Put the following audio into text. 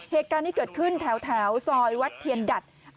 เหตุการณ์นี้เกิดขึ้นแถวซอยวัดเทียนดัด